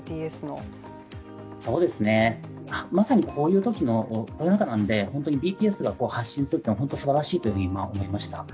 まさにこういうとき、コロナ禍なんで、ＢＴＳが発信するというのは本当にすばらしいと思いました。